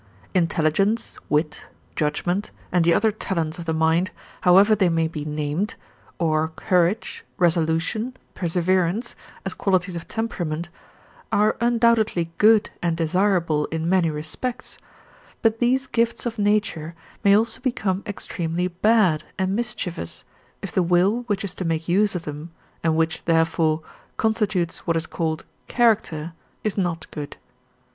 Intelligence, wit, judgement, and the other talents of the mind, however they may be named, or courage, resolution, perseverance, as qualities of temperament, are undoubtedly good and desirable in many respects; but these gifts of nature may also become extremely bad and mischievous if the will which is to make use of them, and which, therefore, constitutes what is called character, is not good.